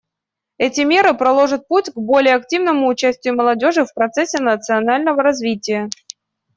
Эти меры проложат путь к более активному участию молодежи в процессе национального развития.